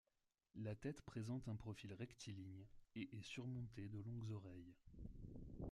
La tête présente un profil rectiligne, et est surmontée de longues oreilles.